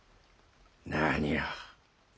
何を。